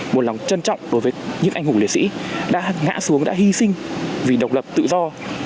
một lòng trân trọng đối với những anh hùng liệt sĩ đã ngã xuống đã hy sinh vì độc lập tự do